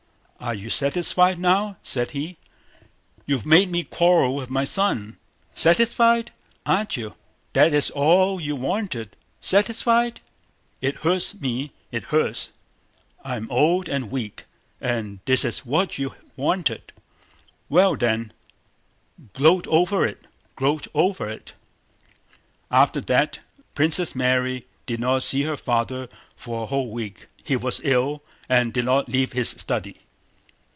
Are you satisfied now?" said he. "You've made me quarrel with my son! Satisfied, are you? That's all you wanted! Satisfied?... It hurts me, it hurts. I'm old and weak and this is what you wanted. Well then, gloat over it! Gloat over it!" After that Princess Mary did not see her father for a whole week. He was ill and did not leave his study.